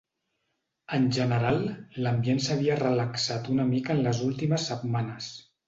En general, l'ambient s'havia relaxat una mica en les últimes setmanes.